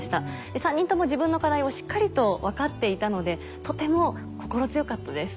３人とも自分の課題をしっかりと分かっていたのでとても心強かったです。